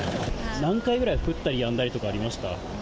何回ぐらい降ったりやんだりとかありました？